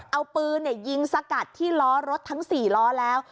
เอาปืนยิงสกัดที่ล้อรถทั้ง๔ล้อแล้ว